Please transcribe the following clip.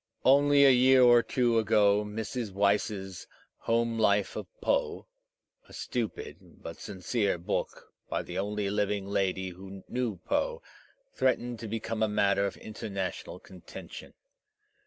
Only a year or two ago Mrs. Weiss's "Home Life of Poe,'* a stupid but sincere book by the only living lady who knew Poe, threatened to become a matter of international contention.